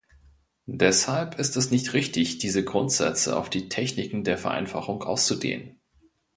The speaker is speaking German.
Deshalb ist es nicht richtig, diese Grundsätze auf die Techniken der Vereinfachung auszudehnen.